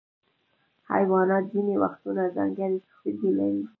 حیوانات ځینې وختونه ځانګړي سترګې لري.